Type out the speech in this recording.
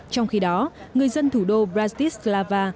trong khi đó người dân thủ đô bratislava